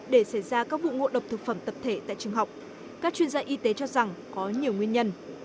để xảy ra các vụ ngộ độc thực phẩm tập thể tại trường học các chuyên gia y tế cho rằng có nhiều nguyên nhân